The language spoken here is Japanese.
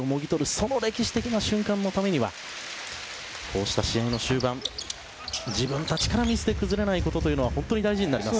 その歴史的な瞬間のためにはこうした試合の終盤自分たちからミスで崩れないことというのは大事になります。